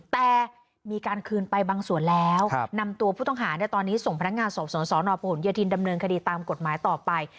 แต่มีการคืนไปบางส่วนแล้วนำตัวผู้ต้องหาตอนนี้ส่งพนักงานสอบสวนสนพหนโยธินดำเนินคดีตามกฎหมายต่อไป